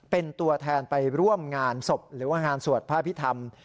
เป็นตัวแทนไปร่วมงานศพหรือว่างานสวดพระพิธรรม